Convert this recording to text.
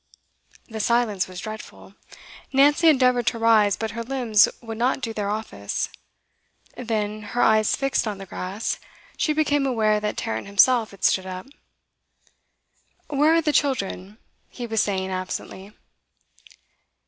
The silence was dreadful. Nancy endeavoured to rise, but her limbs would not do their office. Then, her eyes fixed on the grass, she became aware that Tarrant himself had stood up. 'Where are the children?' he was saying absently.